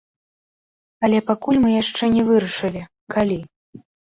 Але пакуль мы яшчэ не вырашылі, калі.